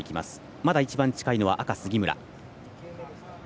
まだ一番近いのは赤の杉村。